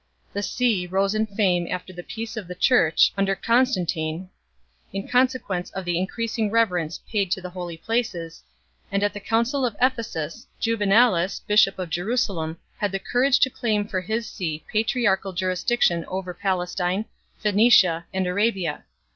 The see, rose in fame after the peace of the Church under Con stantine, in consequence of the increasing reverence paid to the holy places, and at the Council of Ephesus, Ju venalis, bishop of Jerusalem, had the courage to claim for his see patriarchal jurisdiction over Palestine, Phoenicia, and Arabia.